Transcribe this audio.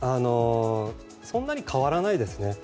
そんなに変わらないですね。